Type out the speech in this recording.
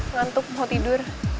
ngantuk mau tidur